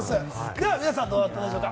では皆さん、どうでしょうか？